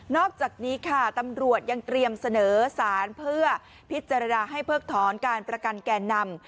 อกจากนี้ค่ะตำรวจยังเตรียมเสนอสารเพื่อพิจารณาให้เพิกถอนการประกันแก่นำ